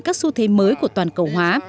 các xu thế mới của toàn cầu hóa